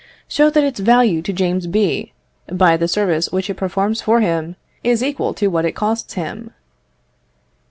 Show that its value to James B., by the services which it performs for him, is equal to what it costs him.